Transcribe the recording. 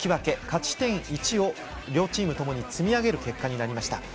勝ち点１を両チーム共に積み上げる結果になりました。